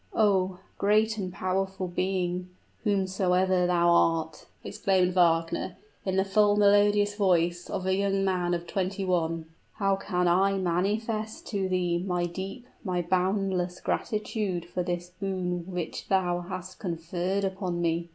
"Oh! great and powerful being, whomsoever thou art," exclaimed Wagner, in the full, melodious voice of a young man of twenty one, "how can I manifest to thee my deep, my boundless gratitude for this boon which thou hast conferred upon me!"